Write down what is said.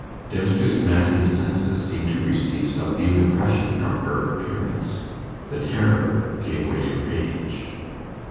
Dempster's maddened senses seemed to receive some new impression from her appearance. The terror gave way to rage.